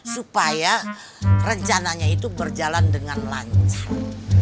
supaya rencananya itu berjalan dengan lancar